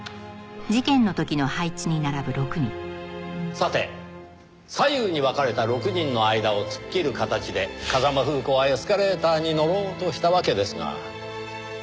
さて左右に分かれた６人の間を突っ切る形で風間楓子はエスカレーターに乗ろうとしたわけですが。